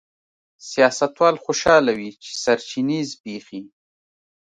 سیاستوال خوشاله وي چې سرچینې زبېښي.